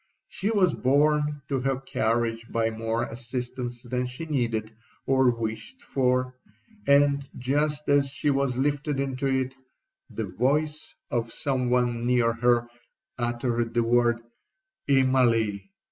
She was borne to her carriage by more assistants than she needed or wished for—and just as she was lifted into it, the voice of some one near her uttered the word 'Immalee!'